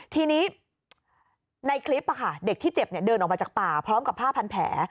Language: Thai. ทีนี้ในคลิปเด็กที่เจ็บเดินออกมาจากป่าพร้อมกับผ้าพันแผล